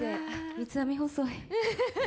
三つ編み細い。